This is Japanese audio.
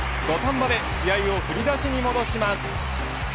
土壇場で試合を振り出しに戻します。